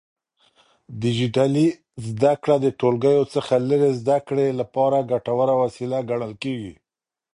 ډيجيټلي زده کړه د ټولګیو څخه لرې زده کړې لپاره ګټوره وسيله ګڼل کېږي.